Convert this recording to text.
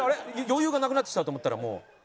余裕がなくなってきた」と思ったらもう。